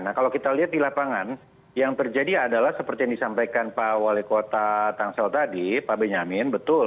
nah kalau kita lihat di lapangan yang terjadi adalah seperti yang disampaikan pak wali kota tangsel tadi pak benyamin betul